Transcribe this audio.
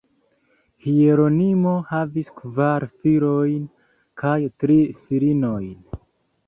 Hieronimo havis kvar filojn kaj tri filinojn.